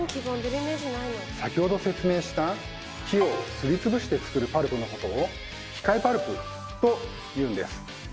先ほど説明した木をすりつぶして作るパルプのことを「機械パルプ」というんです。